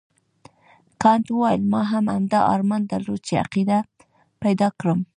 کانت وویل ما هم همدا ارمان درلود چې عقیده پیدا کړم.